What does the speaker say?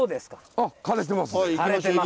あ枯れてます。